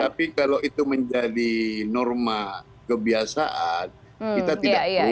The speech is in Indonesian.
tapi kalau itu menjadi norma kebiasaan kita tidak perlu